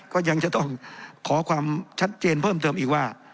ก็ยังจะต้องขอความชัดเจนเพิ่มเติมอีกว่า